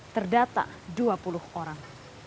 terdata dua puluh orang